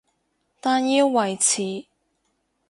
但要維持